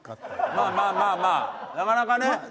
まあまあまあまあなかなかね。